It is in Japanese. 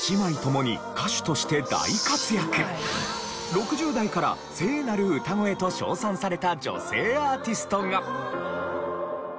６０代から「聖なる歌声」と称賛された女性アーティストが。